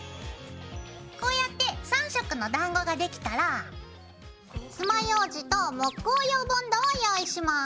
こうやって３色のだんごができたらつまようじと木工用ボンドを用意します。